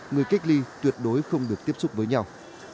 người cách ly tuyệt đối không được tiếp xúc với nhau